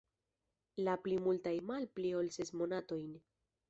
La pli multaj malpli ol ses monatojn.